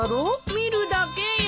見るだけよ。